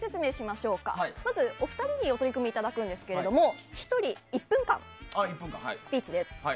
まずお二人にお取り組みいただくんですけど１人１分間のスピーチです。